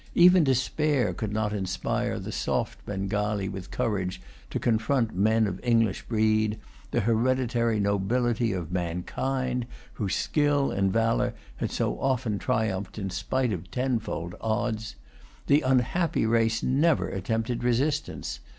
Even despair could not inspire the soft Bengalee with courage to confront men of English breed, the hereditary nobility of mankind, whose skill and valour had so often triumphed in spite of tenfold odds. The unhappy race never attempted resistance.